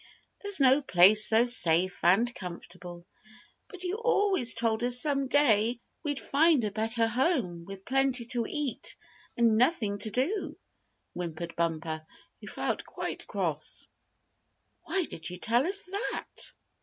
"There's no place so safe and comfortable." "But you always told us some day we'd find a better home, with plenty to eat, and nothing to do," whimpered Bumper, who felt quite cross. "Why did you tell us that?"